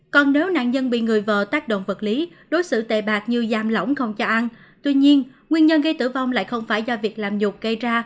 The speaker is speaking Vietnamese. còn nếu nạn nhân bị người vờ tác động vật lý đối xử tệ bạc như giam lỏng không cho an tuy nhiên nguyên nhân gây tử vong lại không phải do việc làm nhục gây ra